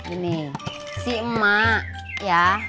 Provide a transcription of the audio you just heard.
ini si emak ya